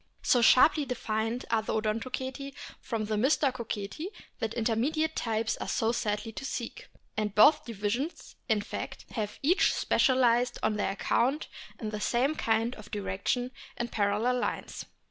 So sharply defined are the Odontoceti from the Mystacoceti that intermediate types are sadly to seek ; and both divisions, in fact, have each specialised on their account in the same kind of direction in parallel lines.